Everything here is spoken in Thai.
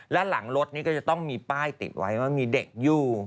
และหลังรถนี่ก็จะต้องมีป้ายติดไว้ว่ามีเด็กอยู่